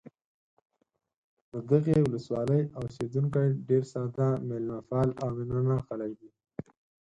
د دغه ولسوالۍ اوسېدونکي ډېر ساده، مېلمه پال او مینه ناک خلک دي.